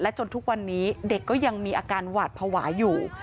จนทุกวันนี้เด็กก็ยังมีอาการหวาดภาวะอยู่